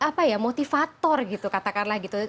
apa ya motivator gitu katakanlah gitu